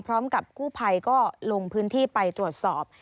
พร้อมกับกู้ภัยก็ลงพื้นที่ไปตรวจสอบ